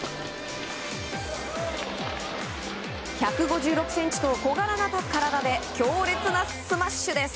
１５６ｃｍと小柄な体で強烈なスマッシュです。